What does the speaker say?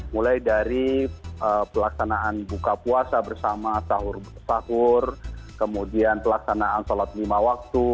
mulai dari pelaksanaan buka puasa bersama sahur kemudian pelaksanaan sholat lima waktu